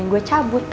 karena gue tak bisa